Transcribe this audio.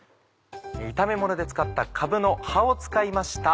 炒めもので使ったかぶの葉を使いました